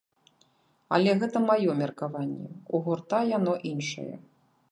Але гэта маё меркаванне, у гурта яно іншае.